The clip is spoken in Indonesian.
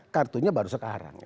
kartunya baru sekarang